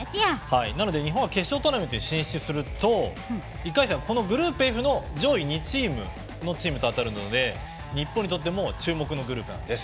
なので日本は決勝トーナメントに進出すると１回戦はグループＦの上位２チームのチームと当たるので、日本にとっても注目のグループなんです。